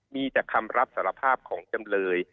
มีแต่คำรับสารภาพของจำเลย